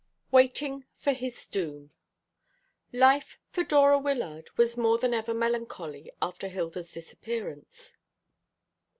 WAITING FOR HIS DOOM. Life for Dora Wyllard was more than ever melancholy after Hilda's disappearance.